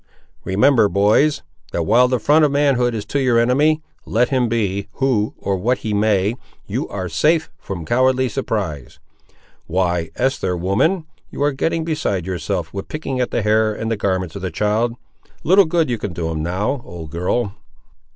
Remember, boys, that while the front of manhood is to your enemy, let him be who or what he may, you ar' safe from cowardly surprise. Why, Eester, woman! you ar' getting beside yourself; with picking at the hair and the garments of the child! Little good can you do him now, old girl."